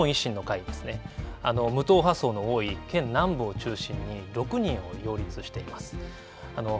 また日本維新の会、無党派層の多い県南部を中心に６人を擁立しています。